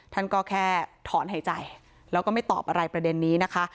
ท่านก็แค่ถอนหายใจแล้วก็ไม่ตอบอะไรประเด็นนี้นะคะ